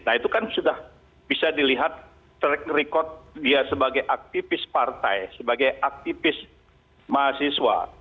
nah itu kan sudah bisa dilihat track record dia sebagai aktivis partai sebagai aktivis mahasiswa